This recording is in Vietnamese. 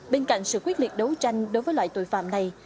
bên cạnh sự quyết liệt đấu tranh đối với loại tội phạm này